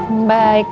om baik om baik